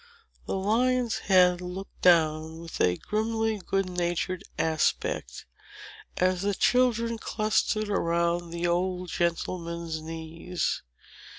The lion's head looked down with a grimly good natured aspect, as the children clustered around the old gentleman's knees.